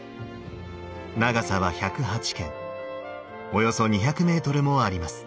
長さは百八間およそ２００ｍもあります。